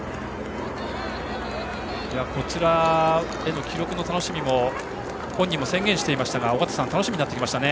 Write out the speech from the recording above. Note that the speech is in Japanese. こちらへの記録の楽しみも本人も宣言していましたが楽しみになってきましたね。